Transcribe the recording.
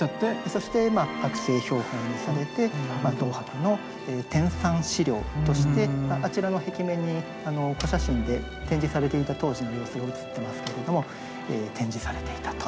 そして剥製標本にされて東博の天産資料としてあちらの壁面にお写真で展示されていた当時の様子が写ってますけれども展示されていたと。